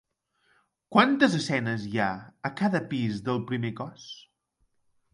Quantes escenes hi ha a cada pis del primer cos?